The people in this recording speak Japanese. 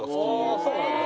ああそうなんだ。